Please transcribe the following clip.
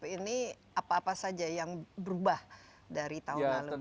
ini apa apa saja yang berubah dari tahun lalu